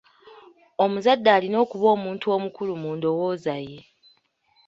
Omuzadde alina okuba omuntu omukulu mu ndowooza ye.